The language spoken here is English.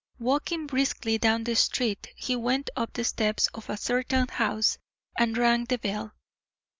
Walking briskly down the street, he went up the steps of a certain house and rang the bell.